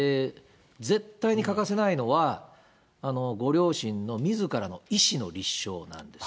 絶対に欠かせないのは、ご両親の、みずからの意思の立証なんです。